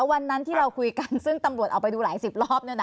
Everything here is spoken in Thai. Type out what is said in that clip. วันนั้นที่เราคุยกันซึ่งตำรวจเอาไปดูหลายสิบรอบ